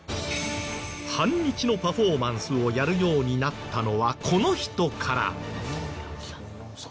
反日のパフォーマンスをやるようになったのはこの人から。